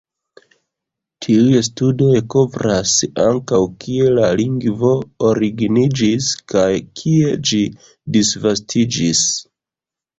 Tiuj studoj kovras ankaŭ kie la lingvo originiĝis kaj kiel ĝi disvastiĝis.